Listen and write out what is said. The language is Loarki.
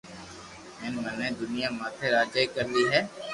ھين مني دنيا ماٿي راجائي ڪروئ ھي